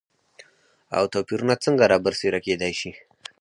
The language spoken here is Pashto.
او توپېرونه څنګه رابرسيره کېداي شي؟